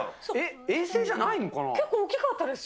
衛星じゃないのかな？